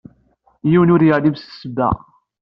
Yiwen ur yeɛlim s ssebba.